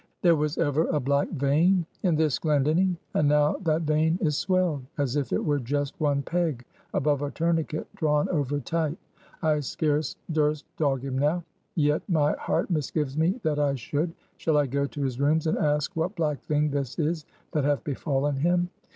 "There was ever a black vein in this Glendinning; and now that vein is swelled, as if it were just one peg above a tourniquet drawn over tight. I scarce durst dog him now; yet my heart misgives me that I should. Shall I go to his rooms and ask what black thing this is that hath befallen him?